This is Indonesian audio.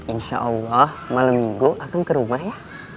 insya allah malam minggu aku ke rumah ya